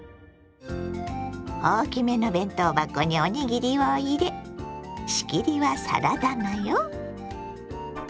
大きめの弁当箱におにぎりを入れ仕切りはサラダ菜よ。